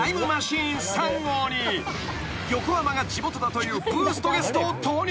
［横浜が地元だというブーストゲストを投入］